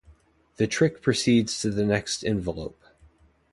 The trick proceeds to the next envelope.